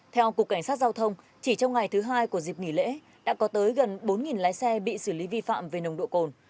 theo cục cảnh sát giao thông chỉ trong ngày thứ hai của dịp nghỉ lễ đã có tới gần bốn lái xe bị xử lý vi phạm về nồng độ cồn